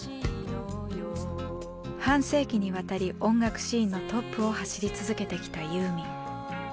半世紀にわたり音楽シーンのトップを走り続けてきたユーミン。